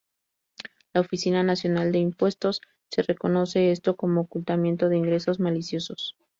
La Oficina Nacional de Impuestos se reconoce esto como "ocultamiento de ingresos maliciosos".